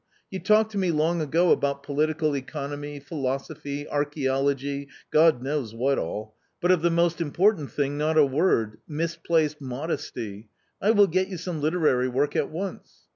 You talked to me long ago about political economy, philosophy, archaeology, God knows what all. But of the most important thing not a word — misplaced modesty. I will get you some literary work at once."